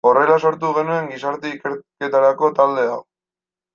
Horrela sortu genuen gizarte ikerketarako talde hau.